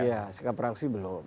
iya sikap fraksi belum